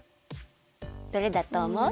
どれだとおもう？